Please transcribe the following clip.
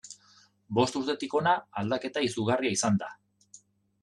Bost urtetik hona aldaketa izugarria izan da.